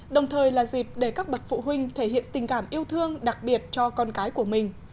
đồng thời là dịp để các bậc phụ huynh thể hiện tình cảm yêu thương đặc biệt cho con cái của mình